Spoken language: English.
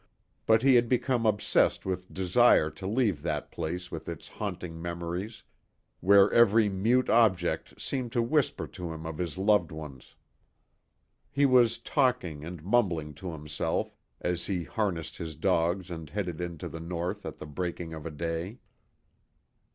But he had become obsessed with desire to leave that place with its haunting memories, where every mute object seemed to whisper to him of his loved ones. He was talking and mumbling to himself as he harnessed his dogs and headed into the North at the breaking of a day.